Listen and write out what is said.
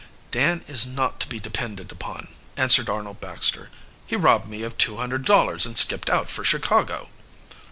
"Dan is not to be depended upon," answered Arnold Baxter. "He robbed me of two hundred dollars and skipped out for Chicago."